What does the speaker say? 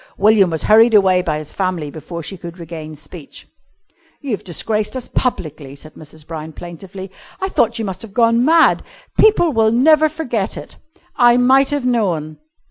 William was hurried away by his family before she could regain speech. "You've disgraced us publicly," said Mrs. Brown plaintively. "I thought you must have gone mad. People will never forget it. I might have known...."